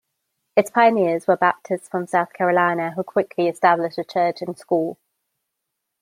Its pioneers were Baptists from South Carolina who quickly established a church and school.